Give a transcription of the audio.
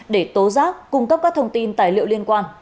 để tố giác cung cấp các thông tin tài liệu liên quan